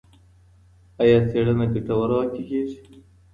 ایا څېړنه ګټوره واقع کېږي؟